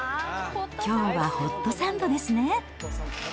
きょうはホットサンドですね。